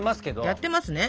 やってますね。